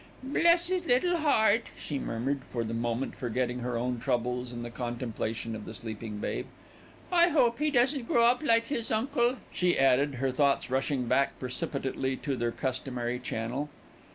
"Bless his little heart," she murmured, for the moment forgetting her own troubles in the contemplation of the sleeping babe. "I hope he doesn't grow up like his uncle," she added, her thoughts rushing back precipitately to their customary channel.